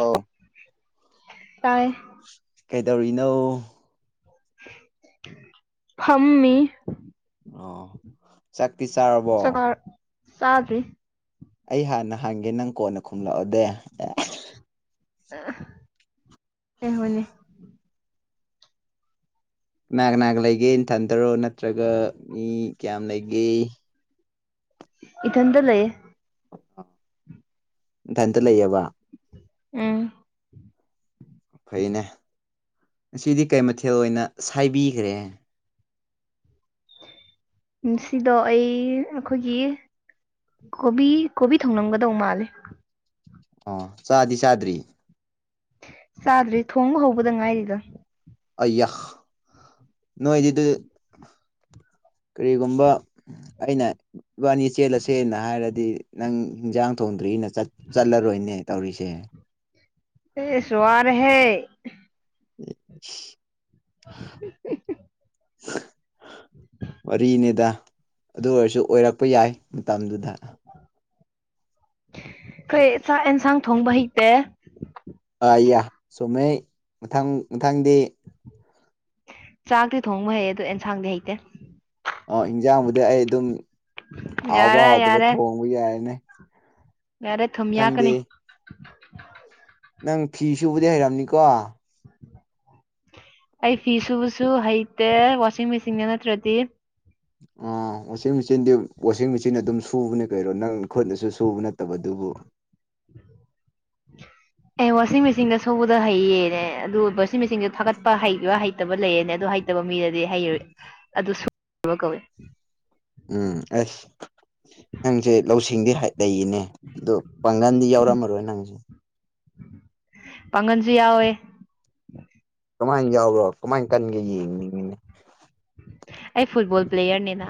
ꯑꯥꯎ ꯇꯥꯏ ꯀꯩꯗꯧꯔꯤꯅꯣ ꯐꯝꯃꯤ ꯑ ꯆꯥꯛꯇꯤ ꯆꯥꯔꯕꯣ ꯁꯥꯗꯔꯤ ꯑꯩ ꯍꯥꯟꯅ ꯍꯥꯡꯒꯦ ꯅꯪ ꯀꯣꯟꯅ ꯈꯨꯝꯂꯛꯑꯣꯗꯦ ꯑꯦ ꯍꯍꯣꯏꯅꯦ ꯅꯥꯛ ꯅꯅꯥꯒ ꯂꯩꯒꯦ ꯏꯟꯊꯟꯊꯔꯣ ꯅꯠꯇ꯭ꯔꯒ ꯃꯤ ꯀꯌꯥꯝ ꯂꯩꯒꯦ ꯏꯗ ꯂꯩꯌꯦ ꯏꯊꯟꯇ ꯂꯩꯌꯦꯕ ꯑꯝ ꯐꯩꯅꯦ ꯉꯗꯤ ꯀꯩ ꯃꯊꯦꯜ ꯑꯣꯏꯅ ꯁꯥꯏꯕꯤꯈ꯭ꯔꯦ ꯁꯤꯗꯣ ꯑꯩ ꯑꯩꯈꯣꯏꯒꯤ ꯀꯣꯕꯤ ꯀꯣꯕꯤ ꯊꯧꯅꯝꯒꯗꯧ ꯃꯥꯜꯂꯦ ꯑꯣ ꯆꯥꯗꯤ ꯆꯥꯗ꯭ꯔꯤ ꯆꯥꯗ꯭ꯔꯔꯤ ꯊꯣꯡꯕ ꯍꯧꯕꯗ ꯉꯥꯏꯔꯤꯗ ꯑꯌꯥ ꯅꯣꯗꯤꯗꯤ ꯀꯔꯤꯒꯨꯝꯕ ꯑꯩꯅ ꯏꯕꯥꯅꯤ ꯆꯦꯜꯂꯁꯦꯅ ꯍꯥꯏꯔꯗꯤ ꯅꯪ ꯏꯟꯁꯥꯡ ꯊꯣꯡꯗ꯭ꯔ ꯑꯅ ꯆꯠꯂꯔꯣꯏꯅꯦ ꯇꯧꯔꯤꯁꯦ ꯑꯦ ꯁꯔ ꯍꯦ ꯎꯝ [unintelligible] ꯋꯥꯔꯤꯅꯤꯗ ꯑꯗꯨ ꯑꯣꯏꯔꯁꯨ ꯑꯣꯏꯔꯛꯄ ꯌꯥꯏ ꯃꯇꯝꯗꯨꯗ ꯑꯩꯈꯣꯏ ꯆꯥꯛ ꯑꯦꯟꯁꯥꯡ ꯊꯣꯡꯕ ꯍꯩꯇꯦ ꯌꯥ ꯆꯨꯝꯃꯦ ꯃꯊꯪ ꯃꯊꯪꯗꯤ ꯆꯥꯛꯇꯤ ꯊꯣꯡꯕ ꯍꯩ ꯑ ꯑꯗꯨ ꯑꯦꯟꯁꯥꯡꯗꯤ ꯍꯩꯇꯦ ꯑ ꯏꯟꯖꯥꯡꯕꯨꯗꯤ ꯑꯩ ꯑꯗꯨꯝ ꯍꯥꯎꯕ ꯌꯥꯔꯦ ꯍꯥꯎꯗꯕ ꯌꯥꯔꯦ ꯊꯣꯡꯕ ꯌꯥꯏꯅꯦ ꯌꯥꯔꯦ ꯊꯨꯝꯃꯤꯌꯥ ꯃꯊꯪꯗꯤ ꯀꯅꯤ ꯅꯪ ꯐꯤ ꯁꯕꯨꯗꯤ ꯍꯩꯔꯝꯅꯤꯀꯣ ꯑꯩ ꯐꯤ ꯁꯨꯕꯁꯨ ꯍꯩꯇꯦ ꯋꯥꯁꯤꯡ ꯃꯦꯆꯤꯟꯒ ꯅꯠꯇ꯭ꯔꯗꯤ ꯑ ꯋꯥꯁꯤꯡ ꯃꯦꯆꯤꯟꯗꯤ ꯋꯥꯁꯤꯡ ꯃꯦꯆꯤꯟ ꯑꯗꯨꯝ ꯁꯨꯕꯅꯦ ꯀꯔꯣ ꯅꯪ ꯈꯨꯠꯅꯁꯨ ꯁꯨꯕ ꯅꯠꯇꯕ ꯑꯗꯨ ꯑꯣ [unintelligible] ꯑꯦ ꯋꯥꯁꯤꯡ ꯃꯦꯆꯤꯟꯗ ꯁꯨꯕꯗ ꯍꯩꯌꯦꯅꯦ ꯑꯗꯨ ꯋꯥꯁꯤꯡ ꯃꯦꯆꯤꯟꯁꯨꯣ ꯊꯥꯒꯠꯄ ꯍꯩꯕ ꯍꯩꯇꯕ ꯂꯩꯌꯦꯅꯦ ꯑ ꯐꯠꯇꯕ ꯃꯤꯗꯗꯤ ꯍꯩꯔ ꯑꯗꯨ ꯁꯨꯕ ꯀꯧꯏ ꯎꯝ ꯑꯁ ꯅꯪꯁꯦ ꯂꯧꯁꯤꯡꯗꯤ ꯂꯩꯌꯦꯅꯦ ꯑꯗꯣ ꯄꯥꯡꯒꯜꯗꯤ ꯌꯥꯎꯔꯝꯃꯔꯣꯏ ꯅꯪꯁꯦ ꯄꯉꯟꯖ ꯌꯥꯋꯋꯦ ꯀꯃꯥꯏꯅ ꯌꯥꯎꯕꯔꯣ ꯀꯃꯥꯏ ꯀꯟꯒꯦ ꯌꯦꯡꯅꯤꯡꯉꯅꯦ ꯑꯩ ꯐꯨꯠꯕꯜ ꯄ꯭ꯂꯦꯌꯔꯅꯦꯅ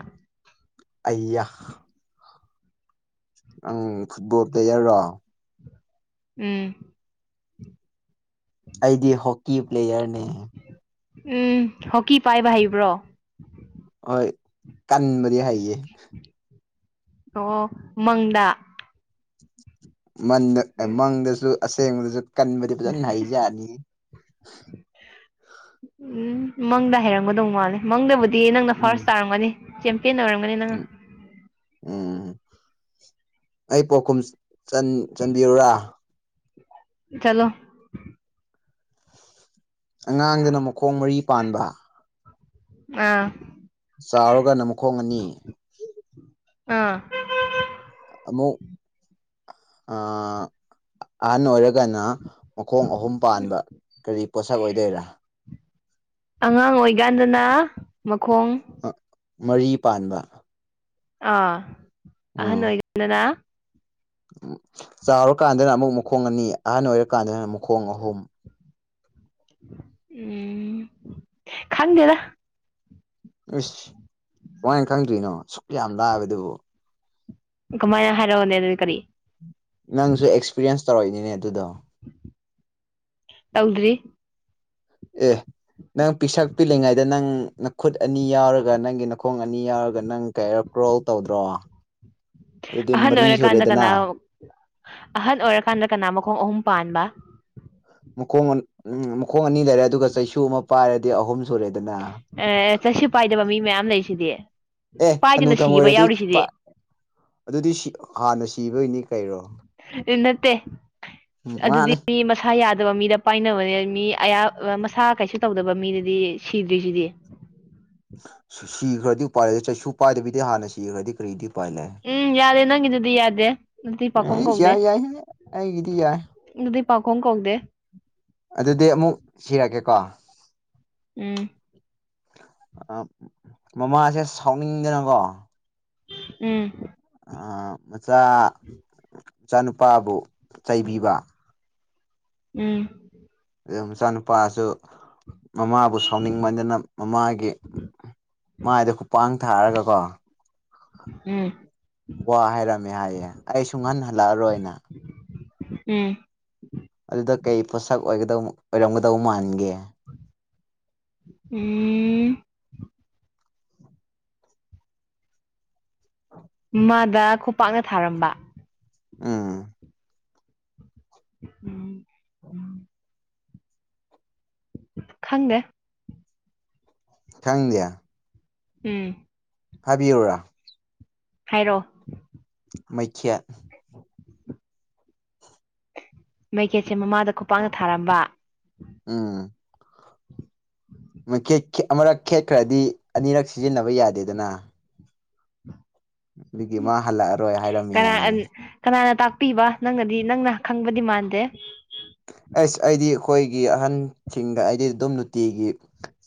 ꯑꯌꯥꯥꯛ ꯑꯪ ꯐꯨꯠꯕꯣꯜ ꯄ꯭ꯂꯦꯌꯔꯔꯣ ꯎꯝ ꯑꯩꯗꯤ ꯍꯣꯛꯀꯤ ꯄ꯭ꯂꯦꯌꯔꯅꯤ ꯎꯝ ꯍꯀꯤ ꯄꯥꯏꯕ ꯍꯕ꯭ꯔꯣ ꯍꯣꯏ ꯀꯥꯟꯕꯗꯤ ꯍꯥꯏꯌꯦ ꯑꯣ ꯃꯪꯗ ꯃꯟꯗ ꯃꯪꯗꯁꯨ ꯑꯁꯦꯡꯕꯗꯁꯨ ꯀꯟꯕꯗꯤ ꯐꯖꯅ ꯍꯩꯖꯅꯤ ꯎꯝ ꯃꯪꯗ ꯍꯥꯏꯩꯔꯝꯒꯗꯧ ꯃꯥꯜꯂꯦ ꯃꯪꯗꯕꯨꯗꯤ ꯅꯪꯅ ꯐꯥꯔꯁ ꯎꯝ ꯇꯥꯔꯝꯒꯅꯤ ꯟꯅ ꯃꯔꯔꯝꯒꯅꯤ ꯅꯪꯉ ꯎꯝ ꯎꯝ ꯑꯩ ꯄꯥꯎꯈꯨꯝ ꯆꯟꯕꯤꯔꯨꯔꯥ ꯆꯂꯣ ꯑꯉꯥꯡꯗꯨꯅ ꯃꯈꯣꯡ ꯃꯔꯤ ꯄꯥꯟꯕ ꯑꯥ ꯆꯥꯎꯔꯒ ꯅꯨ ꯈꯣꯡ ꯑꯅꯤ ꯑꯥ ꯑ ꯑꯅꯔ ꯀꯅ ꯃꯈꯣꯡ ꯑꯍꯨꯝ ꯄꯥꯟꯕ ꯀꯔꯤ ꯄꯣꯠꯁꯛ ꯑꯣꯏꯗꯣꯏꯔꯥ ꯑꯉꯥꯡ ꯑꯣꯏꯀꯥꯟꯗꯅ ꯃꯈꯣꯡ ꯑ ꯃꯔꯤ ꯄꯥꯟꯕ ꯑ ꯎꯝ ꯑꯍꯅꯣꯏꯒꯗꯅꯥ ꯆꯥꯎꯔꯀꯥꯟꯗꯅ ꯑꯃꯨꯛ ꯃꯈꯣꯡ ꯑꯅꯤ ꯑꯍꯟ ꯑꯣꯏꯔꯀꯥꯟꯗꯅ ꯃꯈꯣꯡ ꯑꯍꯨꯝ ꯎꯝ ꯈꯥꯟꯗꯦꯔ ꯏꯁꯁ ꯋꯥ ꯈꯪꯗ꯭ꯔꯤꯅꯣ ꯁꯨꯛ ꯌꯥꯝ ꯂꯥꯑꯕ ꯑꯗꯨꯕꯨ ꯀꯃꯥꯏꯅ ꯍꯥꯏꯔꯛꯑꯣꯅꯦ ꯑꯗꯨꯗꯤ ꯀꯔꯤ ꯅꯪꯁꯨ ꯑꯦꯛꯁꯄꯤꯔꯤꯌꯦꯟꯁ ꯇꯧꯔꯛꯏꯅꯤꯅꯦ ꯑꯗꯨꯗꯣ ꯇꯧꯗ꯭ꯔꯤ ꯑꯦ ꯅꯪ ꯄꯤꯁꯛ ꯄꯤꯛꯂꯤꯉꯩꯗ ꯅꯪ ꯈꯨꯨꯠ ꯑꯅꯤ ꯌꯥꯎꯔꯒ ꯅꯪꯒꯤ ꯅꯈꯣꯡ ꯑꯅꯤ ꯌꯥꯎꯔꯒ ꯅꯪ ꯀꯩꯔꯛ ꯔ꯭ꯔꯣꯜ ꯇꯧꯗ꯭ꯔꯣ ꯑꯗꯨꯗꯤ ꯑꯍꯟ ꯃꯔꯤ ꯑꯣꯏꯔꯀꯥꯟꯗ ꯀꯅꯥ ꯁꯨꯔꯦꯗꯅ ꯑꯍꯟ ꯑꯣꯏꯔꯀꯥꯟꯗ ꯀꯅꯥ ꯃꯈꯣꯡ ꯑꯍꯨꯝ ꯄꯥꯟꯕ ꯃꯈꯣꯡ ꯎꯝ ꯃꯈꯣꯡ ꯑꯅꯤ ꯂꯩꯔꯦ ꯑꯗꯨꯒ ꯆꯩꯁꯨ ꯑꯃ ꯄꯥꯏꯔꯗꯤ ꯑꯍꯨꯝ ꯁꯨꯔꯦꯗꯅ ꯑꯦ ꯆꯠꯁꯨ ꯄꯥꯏꯗꯕ ꯃꯤ ꯃꯌꯥꯝ ꯂꯩꯔꯤꯁꯤꯗꯤ ꯑꯦ ꯍ ꯅꯨꯡꯊꯪ ꯑꯣꯏꯔꯗꯤ ꯑꯗꯨꯗꯤ ꯍꯥꯟꯅ ꯁꯤꯕꯒꯤꯅꯤ ꯀꯩꯔꯣ ꯅꯠꯇꯦ ꯎꯝ ꯑꯗꯨꯗꯤ ꯃꯥꯅꯤ ꯃꯤ ꯃꯁꯥ ꯌꯥꯗ ꯇꯕ ꯃꯤꯗ ꯄꯥꯏꯅꯕꯅꯦ ꯃꯤ ꯑꯌꯥ ꯑ ꯃꯁꯥ ꯀꯩꯁꯨ ꯇꯧꯗꯕ ꯃꯤꯗꯗꯤ ꯁꯤꯗ꯭ꯔꯤꯖꯤꯗꯤ [unintelligible] ꯁꯤ ꯁꯤꯈ꯭ꯔꯗꯤ ꯎꯄꯥꯏꯌꯦ ꯆꯩꯁꯨ ꯄꯥꯏꯗꯕꯤꯗꯩ ꯍꯥꯟꯅ ꯁꯤꯈꯒ꯭ꯔꯗꯤ ꯀꯔꯤꯗꯤ ꯎꯄꯥꯏ ꯂꯩ ꯎꯝ ꯌꯥꯗꯦ ꯅꯪꯉꯤꯗꯨꯗꯤ ꯌꯥꯗꯦ ꯑꯗꯨꯗꯤ ꯄꯥꯈꯣꯡ ꯑꯩꯁ ꯀꯧꯗꯦ ꯌꯥꯏ ꯌꯥꯏ ꯑꯩꯒꯤꯗꯤ ꯌꯥꯏ ꯑꯗꯨꯗꯤ ꯄꯥꯈꯣꯡ ꯀꯧꯗꯦ ꯑꯗꯨꯗꯤ ꯑꯃꯨꯛ ꯁꯤꯔꯛꯀꯦꯀꯣ ꯎꯝ ꯑ ꯃꯃꯥꯁꯦ ꯁꯥꯎꯅꯤꯡꯗꯅꯀꯣ ꯎꯝ ꯑ ꯃꯆꯥ ꯃꯆꯥꯅꯨꯄꯥꯕꯨ ꯆꯩꯕꯤꯕ ꯎꯝ ꯑꯌꯥꯝ ꯃꯆꯥꯅꯨꯄꯥꯁꯨ ꯃꯃꯥꯕꯨ ꯁꯥꯎꯅꯤꯡꯃꯟꯗꯅ ꯃꯃꯥꯒꯤ ꯃꯥꯏꯗ ꯈꯨꯄꯥꯡ ꯊꯥꯔꯒꯀꯣ ꯎꯝ ꯋꯥ ꯍꯥꯏꯔꯝꯃꯦ ꯍꯥꯏꯌꯦ ꯑꯩ ꯁꯨꯡꯍꯟ ꯍꯜꯂꯛ ꯑꯔꯣꯏꯅ ꯎꯝ ꯑꯗꯨꯗ ꯀꯩ ꯄꯣꯠꯁꯛ ꯑꫭꯏꯒꯗꯧ ꯑꯣꯏꯔꯝꯒꯗꯧ ꯃꯥꯟꯒꯦ ꯎꯝ ꯃꯥꯗ ꯈꯨꯄꯥꯛꯅ ꯊꯥꯔꯝꯕ ꯎꯝ ꯎꯝ ꯎꯝ ꯈꯪꯗꯦ ꯈꯪꯗꯤꯌꯦ ꯎꯝ ꯍꯥꯏꯕꯤꯌꯨꯨꯔꯥ ꯍꯥꯏꯔꯣ ꯃꯩꯈꯦꯠ ꯃꯩꯈꯦꯠꯁꯦ ꯃꯃꯥꯗ ꯈꯨꯄꯥꯛꯅ ꯊꯥꯔꯝꯕ ꯃꯈꯦꯠ ꯈꯦꯠ ꯑꯃꯔꯛ ꯈꯦꯠꯈ꯭ꯔꯗꯤ ꯑꯅꯤꯔꯛ ꯁꯤꯖꯤꯟꯅꯕ ꯌꯥꯗꯦꯗꯅ ꯑꯗꯨꯒꯤ ꯃꯥ ꯍꯜꯂꯛꯑꯔꯣꯏ ꯍꯥꯏꯔꯝꯃꯤ ꯀꯅꯥ ꯍꯥꯏꯌꯦ ꯀꯅꯥꯅ ꯇꯥꯛꯄꯤꯕ ꯅꯪꯅꯗꯤ ꯅꯪꯅ ꯈꯪꯕꯗꯤ ꯃꯥꯟꯗꯦ ꯑꯁ ꯑꯩꯗꯤ ꯑꯈꯣꯏꯒꯤ ꯑꯍꯟꯁꯤꯡꯗ ꯑꯩꯗꯤ ꯑꯗꯨꯝ ꯅꯨꯡꯇꯤꯒꯤ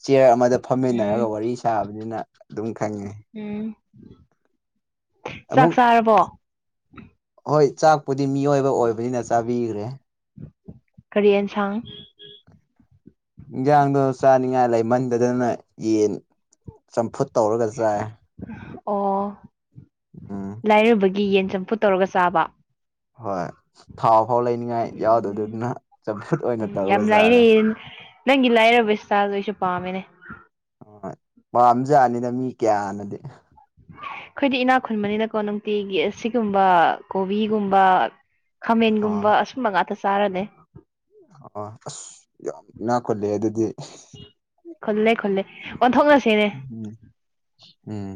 ꯆꯤꯌ꯭ꯔ ꯑꯃꯗ ꯎꯝ ꯐꯝꯃꯤꯟꯅꯔꯒ ꯋꯥꯔꯤ ꯁꯥꯕꯅꯤꯅ ꯑꯗꯨꯝ ꯈꯪꯉꯦ ꯎꯝ ꯆꯥꯛ ꯑꯃꯨꯛ ꯆꯥꯔꯕꯣ ꯍꯣꯏ ꯆꯥꯛꯄꯨꯗꯤ ꯃꯤꯑꯣꯏꯕ ꯑꯣꯏꯕꯅꯤꯅ ꯆꯥꯕꯤꯈꯒ꯭ꯔꯦ ꯀꯔꯤ ꯑꯦꯟ ꯁꯥꯡ ꯏꯟꯖꯥꯡꯗꯣ ꯆꯥꯅꯤꯡꯉꯥꯏ ꯂꯩꯃꯟꯗꯗꯅ ꯌꯦꯟ ꯆꯝꯐꯨꯠ ꯇꯧꯔꯒ ꯆꯥꯏꯌꯦ ꯑꯣ ꯂꯥꯏꯔꯕꯒꯤ ꯌꯦꯟ ꯆꯝꯐꯨꯠ ꯇꯧꯔꯒ ꯆꯥꯕ ꯍꫭꯏ ꯊꯥꯎ ꯐꯥꯎ ꯂꯩꯅꯤꯡꯉꯥꯏ ꯎꯝ ꯌꯥꯎꯗꯗꯨꯅ ꯆꯝꯐꯨꯠ ꯑꯣꯏꯅ ꯎꯝ ꯇꯧꯔ ꯌꯥꯝ ꯆꯥꯔꯦ ꯂꯥꯏꯔꯩ ꯅꯪꯒꯤ ꯂꯥꯏꯔꯕ ꯏ꯭ꯁꯇꯥꯜꯗꫭ ꯑꯩꯁꯨ ꯄꯥꯝꯃꯤꯅꯦ ꯄꯥꯝꯖꯥꯠꯅꯤꯗ ꯃꯤ ꯀꯌꯥꯅꯗꯤ ꯑꯈꯣꯏꯗꯤ ꯏꯅꯥꯛ ꯈꯨꯟꯕꯅꯤꯅꯀꯣ ꯅꯨꯡꯇꯤꯒꯤ ꯑꯁꯤꯒꯨꯝꯕ ꯀꯣꯕꯤꯒꯨꯝꯕ ꯑꯥ ꯈꯥꯃꯦꯟꯒꯨꯝꯕ ꯑꯁꯨꯝꯕ ꯉꯥꯛꯇ ꯆꯥꯔꯅꯦ ꯑꯥ ꯑꯁ ꯌꯥꯝ ꯏꯅꯥꯛ ꯈꯨꯜꯂꯦ ꯑꯗꯨꯗꯤ ꯈꯨꯜꯂꯦ ꯈꯨꯜꯂꯦ ꯑꯣꯟꯊꯣꯛꯅꯁꯤꯅꯦ ꯎꯝ ꯎꯝ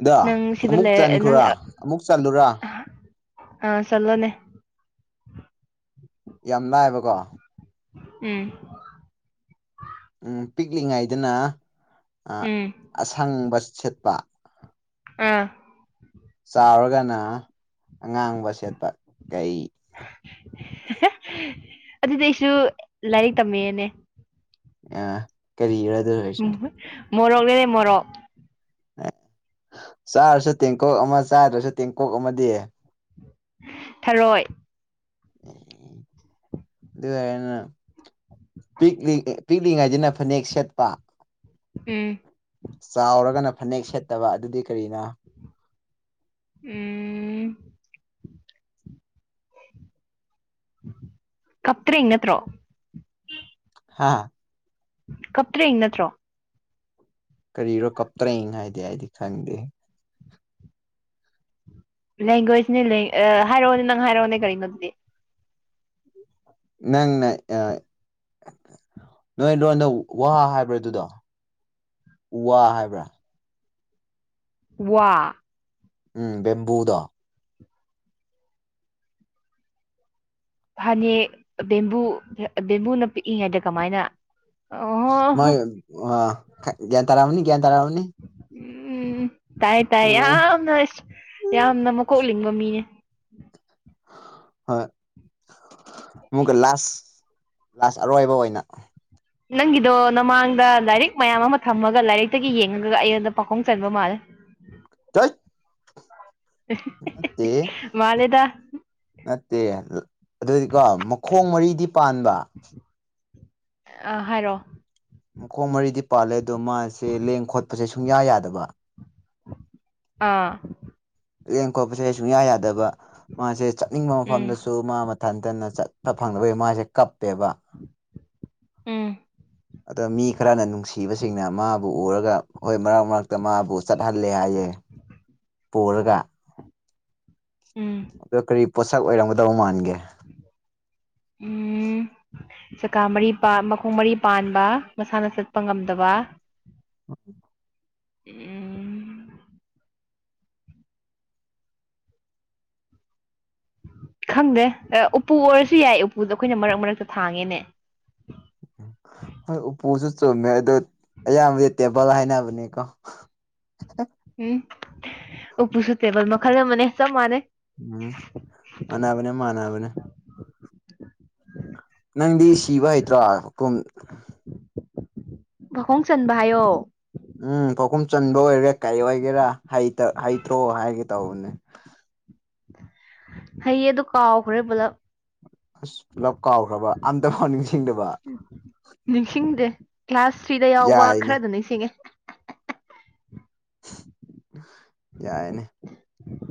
ꯑꯗꯣ ꯅꯪ ꯑꯃꯨꯛ ꯁꯤꯗꯂꯩ ꯑ ꯅꯪ ꯆꯟꯈ꯭ꯔꯣꯔꯥ ꯑꯃꯨꯛ ꯆꯜꯂꯨꯔꯥ ꯑꯥ ꯆꯠꯂꫭꯅꯦ ꯌꯥꯝ ꯂꯥꯏꯕꯀꯣ ꯎꯝ ꯄꯤꯛꯂꯤꯉꯩꯗꯅ ꯎꯝ ꯑꯁꯪꯕ ꯁꯦꯠꯄ ꯑꯥ ꯆꯥꯎꯔꯒꯅ ꯑꯉꯥꯡꯕ ꯁꯦꯠꯄ ꯀꯩ [inaudible] ꯑꯗꯨꯗꯩꯁꯨ ꯂꯥꯏꯔꯤꯛ ꯇꯝꯃꯦꯑꯅꯦ ꯑ ꯀꯔꯤꯔ ꯑꯗꯨ ꯑꯣꯏꯔꯁꯨ ꯃꯣꯔꯛꯒꯦꯅꯦꯦ ꯃꯣꯔꯛ ꯑꯦ ꯆꯥꯔꯁꯨ ꯇꯦꯡꯀꯣꯛ ꯑꯃ ꯆꯥꯗ꯭ꯔꯁꯨ ꯇꯦꯡꯀꯣꯛ ꯑꯃꯗꯤ ꯊꯔꯣꯏ ꯑꯗꯨꯅ ꯄꯤꯛꯅꯤ ꯄꯤꯛꯂꯤꯉꯩꯁꯤꯅ ꯐꯅꯦꯛ ꯁꯦꯠꯄ ꯎꯝ ꯆꯥꯎꯔꯒꯅ ꯐꯅꯦꯛ ꯁꯦꯠꯇꯕ ꯑꯗꯨꯗꯤ ꯀꯔꯤꯅ ꯎꯝ ꯀꯇ ꯏꯉꯠꯇ꯭ꯔꯣ ꯍꯥꯥ ꯀꯞꯇ꯭ꯔꯦ ꯅꯠꯇ꯭ꯔꯣ ꯀꯔꯤꯔꯣ ꯀꯞꯇ꯭ꯔꯏ ꯍꯥꯏꯗꯤ ꯑꯩꯗꯤ ꯈꯪꯗꯦ ꯂꯦꯡꯒ꯭ꯋꯦꯖꯅꯦ ꯍꯥꯏꯔꯛꯑꯣꯅꯦ ꯅꯪ ꯍꯥꯏꯔꯛꯑꯣꯅꯦ ꯀꯔꯤꯒꯤꯅꯣ ꯑꯗꯨꯗꯤ ꯅꯪꯅꯦ ꯅꯣꯏ ꯂꯣꯟꯗ ꯋꯥꯍꯥ ꯍꯥꯏꯕ꯭ꯔ ꯑꯗꯨꯗꯣ ꯎ ꯋꯥ ꯍꯥꯏꯕ꯭ꯔꯥ ꯋꯥ ꯎꯝ ꯕꯦꯝꯝꯕꯨꯗꯥ ꯐꯅꯦꯛ ꯕꯦꯝꯕꯨ ꯕꯦꯝꯕꯨꯅ ꯄꯤꯛꯏꯉꯩꯗ ꯀꯃꯥꯏꯅ ꯃꯣꯏ ꯑꯣ ꯭ꯟ ꯇꯥꯔꯥꯥꯎꯅꯤ ꯭ꯌꯥꯟ ꯇꯔꯥꯥꯎꯅꯤ ꯎꯝ ꯇꯥꯏ ꯇꯥꯏ ꯌꯥꯝꯅ ꯑ ꯌꯥꯝꯅ ꯃꯀꯣꯛ ꯂꯤꯡꯕ ꯃꯤꯅꯦ ꯍꯣꯏ ꯃꯨꯛ ꯀ ꯂꯥꯁ ꯂꯥꯁ ꯑꯔꯣꯏꯕ ꯑꯣꯏꯅ ꯅꯪꯒꯤꯗꯣ ꯅꯃꯥꯡꯗ ꯂꯥꯏꯔꯤꯛ ꯃꯌꯥꯝ ꯑꯃ ꯊꯝꯃꯒ ꯂꯥꯏꯔꯤꯛꯇꯒꯤ ꯌꯦꯡꯉꯒꯒ ꯑꯩꯉꯣꯟꯗ ꯄꯥꯎꯈꯨꯝ ꯆꯟꯕ ꯃꯥꯜꯂꯦ ꯆꯣꯏꯠ ꯅꯠꯇꯦ ꯃꯥꯅꯦꯦꯗ ꯅꯠꯇꯦ ꯑꯗꯨꯗꯤꯀꯣ ꯃꯈꯣꯡ ꯃꯔꯤꯗꯤ ꯄꯥꯟꯕ ꯑ ꯍꯥꯏꯔꯣ ꯃꯈꯣ ꯃꯔꯤꯗꯤ ꯄꯥꯜꯂꯦ ꯑꯗꯣ ꯃꯥꯁꯦ ꯂꯦꯡ ꯈꯣꯠꯄꯁꯦ ꯁꯨꯡꯌꯥ ꯌꯥꯗꯕ ꯑꯥ ꯂꯦꯡ ꯈꯣꯠꯄꯁꯦ ꯑꯩ ꯁꯨꯡꯌꯥ ꯌꯥꯗꯕ ꯃꯥꯁꯦ ꯆꯠꯅꯤꯡꯕ ꯎꯝ ꯃꯐꯝꯗꯁꯨ ꯃꯥ ꯊꯟꯇꯅ ꯆꯠꯄ ꯐꯪꯅꯕꯒꯤ ꯃꯥꯁꯦ ꯀꯞꯄꯦꯕ ꯎꯝ ꯑꯗꯣ ꯃꯤ ꯈꯔꯅ ꯅꯨꯡꯁꯤꯕꯁꯤꯡꯅ ꯃꯥꯕꯨ ꯎꯔꯒ ꯍꯣꯏ ꯃꯔꯛ ꯃꯔꯛꯇ ꯃꯥꯕꯨ ꯆꯠꯍꯜꯂꯦ ꯍꯥꯏꯌꯦ ꯎꯝ ꯄꯔꯒ ꯎꯝ ꯄꯣꯠꯁꯛ ꯑꯣꯏꯔꯝꯒꯗꯕ ꯃꯥꯟꯒꯦ ꯎꯝ ꯆꯀꯥ ꯃꯔꯤ ꯃꯈꯣꯡ ꯃꯔꯤ ꯄꯥꯟꯕ ꯃꯁꯥꯅ ꯆꯠꯄ ꯉꯝꯗꯕ ꯎꯝ ꯈꯪꯗꯦ ꯎꯄꯨ ꯑꯣꯏꯔꯁꯨ ꯌꯥꯏ ꯎꯄꯨꯗꯣ ꯑꯩꯈꯣꯏꯅ ꯃꯔꯛ ꯃꯔꯛꯇ ꯊꯥꯡꯉꯦꯅꯦ ꯍ ꯍꯣꯏ ꯎꯄꯨꯁꯨ ꯆꯨꯝꯃꯦ ꯑꯗꯨꯗ ꯑꯌꯥꯝꯕꯗꯤ ꯇꯦꯕꯜ ꯍꯥꯏꯅꯕꯅꯦꯀꯣ ꯎꯝ ꯎꯄꯨꯁꯨ ꯇꯦꯕꯜ ꯃꯈꯜ ꯑꯃꯅꯦ ꯆꯞ ꯃꯥꯟꯅꯩ ꯎꯝ ꯃꯅꯕꯅꯦ ꯃꯥꯅꯕꯅꯦ ꯅꯪꯗꯤ ꯁꯤꯕ ꯍꯩꯇ꯭ꯔꯣꯨꯝ ꯃꯈꯈꯣꯡ ꯆꯟꯕ ꯍꯥꯏꯌꯣ ꯎꯝ ꯄꯥꯎꯈꯨꯝ ꯆꯟꯕ ꯑꯣꯏꯒꯔꯥ ꯀꯔꯤ ꯑꯣꯏꯒꯦꯔꯥ ꯇ ꯍꯩꯇ꯭ꯔꯣ ꯍꯥꯏꯒꯦ ꯇꯧꯕꯅꯦ ꯍꯌꯦꯌꯦ ꯑꯗꯨ ꯀꯥꯎꯈ꯭ꯔꯦ ꯄꯨꯂꯞ ꯑꯁ ꯄꯨꯂꯞ ꯀꯥꯎꯈ꯭ꯔꯕ ꯑꯝꯇ ꯐꯥꯎ ꯅꯤꯡꯁꯤꯡꯗꯕ ꯅꯤꯡꯁꯤꯡꯗꯦ ꯀ꯭ꯂꯥꯁ ꯊ꯭ꯔꯤꯗ ꯌꯥꯎꯕ ꯈꯔ ꯌꯥꯏꯅꯦ ꯑꯗꯨ ꯅꯤꯡꯁꯤꯡꯉꯦ ꯌꯥꯏꯅꯦ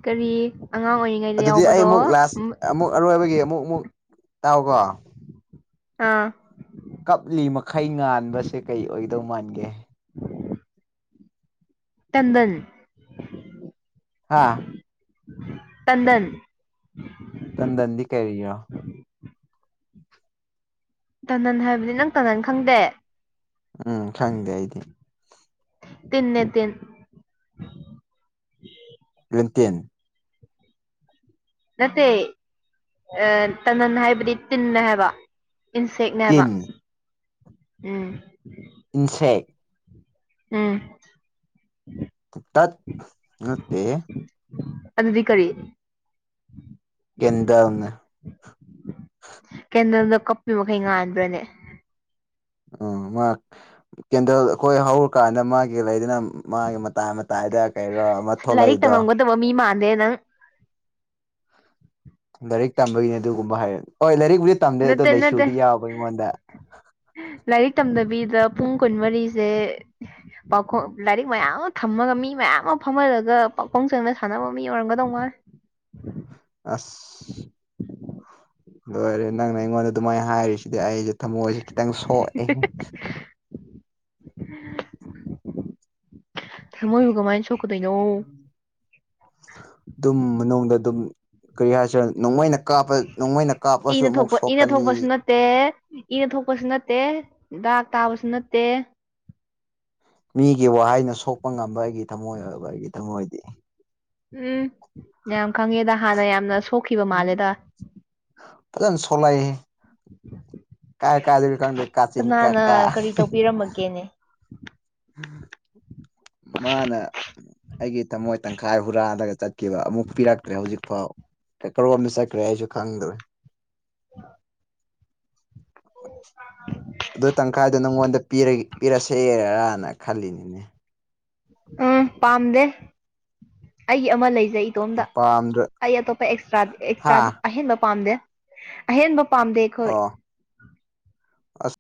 ꯀꯔꯤꯌꯦ ꯑꯗꯨꯗꯤ ꯑꯩ ꯑꯃꯨꯛ ꯂꯥꯁ ꯑꯃꯨꯛ ꯑꯔꯣꯏꯕꯒꯤ ꯑꯃꯨꯛ ꯑꯃꯨꯛ ꯇꯥꯎꯀꯣ ꯑꯥ ꯀꯞꯂꯤ ꯃꯈꯩ ꯉꯥꯟꯕꯁꯦ ꯀꯩ ꯑꯣꯏꯗꯧ ꯃꯥꯟꯒꯦ ꯇꯟꯗꯟ ꯍꯥꯥ ꯇꯟꯗꯟ ꯇꯟꯗꯟꯗꯤ ꯀꯔꯤꯔꯣ ꯇꯅꯟ ꯍꯥꯏꯕꯅꯤ ꯅꯪ ꯇꯅꯟ ꯈꯪꯗꯦ ꯎꯝ ꯈꯪꯗꯦ ꯑꯩꯗꯤ ꯇꯟꯅ ꯇꯤꯟ ꯦꯟꯇꯤꯟ ꯅꯠꯇꯦ ꯑ ꯇꯅꯟ ꯍꯥꯏꯕꯗꯤ ꯇꯤꯟꯅ ꯍꯥꯏꯕ ꯏꯟꯁꯦꯛꯅꯦꯕ ꯇꯤꯟ ꯎꯝ ꯏꯟꯁꯦꯛ ꯎꯝ ꯇꯠ ꯅꯦ ꯑꯗꯨꯗꯤ ꯀꯔꯤ ꯀꯗꯅ ꯀꯦꯟꯗꯜꯗꯣ ꯀꯞꯄꯤ ꯃꯈꯩ ꯉꯥꯟꯥꯟꯕ꯭ꯔꯅꯦ ꯎ ꯃꯥ ꯀꯦꯟꯗꯜ ꯑꯩꯈꯣꯏ ꯍꯧꯔꯀꯥꯟꯗ ꯃꯥꯒꯤ ꯂꯩꯗꯅ ꯃꯥꯒꯤ ꯃꯇꯥꯏ ꯃꯇꯥꯏꯗ ꯀꯩꯔꯣ ꯑꯃ ꯊꯣꯛꯂꯛꯏꯗꯣ ꯑꯗꯦ ꯅꯪ ꯂꯥꯏꯔꯤꯛ ꯇꯝꯕꯒꯤꯅꯦ ꯑꯗꯨꯒꯨꯝꯕ ꯍꯥꯏꯔꯅꯤ ꯍꯣꯏ ꯂꯥꯏꯔꯤꯛꯕꯨꯨꯗꯤ ꯇꯝꯗꯦ ꯑꯗꯨꯗꯣ ꯅꯠꯇꯦ ꯅꯠꯇꯦ ꯂꯩꯥꯏꯁꯨꯗꯤ ꯌꯥꯎꯕ ꯑꯩꯉꯣꯟꯗ ꯂꯥꯏꯔꯤꯛ ꯇꯝꯗꯕꯤꯗ ꯄꯨꯡ ꯀꯨꯟꯃꯔꯤꯁꯦ ꯄꯥꯎꯈꯣꯡ ꯂꯥꯏꯔꯤꯛ ꯃꯌꯥꯝ ꯑꯃ ꯊꯝꯃꯒ ꯃꯤ ꯃꯌꯥꯝ ꯑꯃ ꯐꯝꯍꯜꯂꯒ ꯄꯥꯈꯣꯡ ꯆꯪꯅ ꯁꯥꯟꯅꯕ ꯃꯤ ꯑꯣꯏꯔꯝꯒꯗꯧ ꯃꯥ [inaudible] ꯑꯁ ꯂꯣꯏꯔꯦ ꯅꯪꯅ ꯑꯩꯉꯣꯟꯗ ꯑꯗꯨꯃꯥꯏꯅ ꯍꯥꯏꯔꯤꯁꯤꯗꯤ ꯑꯩꯁꯦ ꯊꯃꯣꯏꯁꯦ ꯈꯤꯇꯪ ꯁꯣꯛꯑꯦ ꯃꯣꯏ ꯒꯃꯥꯏꯁꯨ ꯑꯗꯨꯝ ꯃꯅꯨꯡꯗ ꯑꯗꯨꯝ ꯀꯔꯤ ꯍꯥꯏꯁꯤꯔ ꯅꯣꯡꯃꯩꯅ ꯀꯥꯞꯄ ꯅꯣꯡꯃꯩꯅ ꯀꯥꯞꯄꯁꯨ ꯏꯅ ꯑꯃꯨꯛ ꯊꯣꯛꯄ ꯏꯅ ꯁꯣꯛꯀꯅꯤ ꯊꯣꯛꯄꯁꯨ ꯅꯠꯇꯦ ꯏꯅ ꯊꯣꯛꯄꯁꯨ ꯅꯠꯇꯦ ꯗ꯭ꯔꯥꯛ ꯇꯥꯕꯁꯨ ꯅꯠꯇꯦ ꯃꯤꯒꯤ ꯋꯥꯍꯩꯩꯅ ꯁꯣꯛꯄ ꯉꯝꯕ ꯑꯩꯒꯤ ꯊꯝꯃꯣꯏ ꯑꯣꯏꯕ ꯑꯩꯒꯤ ꯊꯝꯃꯣꯏꯗꯤ ꯎꯝ ꯌꯥꯝ ꯈꯪꯉꯦꯗ ꯍꯥꯟꯅ ꯌꯥꯝꯅ ꯁꯣꯛꯈꯤꯕ ꯃꯥꯜꯂꯦꯗ ꯐꯖꯅ ꯆꯂꯥꯏ ꯀꯥꯆꯤꯟ ꯀꯥ ꯀꯅꯥꯅ ꯀꯥ ꯀꯔꯤ ꯇꯧꯕꯤꯔꯝꯃꯒꯦꯅꯦ ꯃꯥꯅ ꯑꯩꯒꯤ ꯊꯝꯃꯣꯏ ꯇꯪꯈꯥꯏ ꯍꯨꯔꯥꯜꯂꯒ ꯆꯠ ꯦ ꯑꯃꯨꯛ ꯄꯤꯔꯛꯇ꯭ꯔꯦ ꯍꯧꯖꯤꯛ ꯐꯥꯎ ꯀꯔꯣꯝꯗ ꯆꯠꯈ꯭ꯔꯦ ꯍꯥꯏꯁꯨ ꯈꯪꯗ꯭ꯔꯦ ꯑ ꯑꯗꯨ ꯇꯪꯈꯥꯏꯗꯣ ꯅꯪꯉꯣꯟꯗ ꯄꯤꯔꯁꯦꯔꯅ ꯈꯅꯤꯅꯦ ꯎꯝ ꯄꯝ ꯗ ꯑꯩꯒꯤ ꯑꯃ ꯂꯩꯖꯩ ꯏꯇꯣꯝꯗ ꯄꯥꯝꯗ꯭ꯔ ꯑꯩ ꯑꯇꯣꯞꯄ ꯑꯦꯛꯁꯇ꯭ꯔꯥ ꯍꯥ ꯑꯦꯛꯁꯇ꯭ꯔꯥꯗꯤ ꯑꯍꯦꯟꯕ ꯄꯥꯝꯗꯦ ꯑꯍꯦꯟꯕ ꯄꯥꯝꯗꯦ ꯑꯩꯈꯣꯏ ꯑꯣ ꯑꯁ